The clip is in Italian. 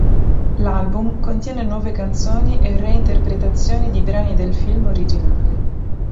L'album contiene nuove canzoni e reinterpretazioni di brani del film originale.